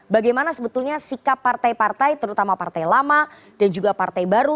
bagaimana sebetulnya sikap partai partai terutama partai lama dan juga partai baru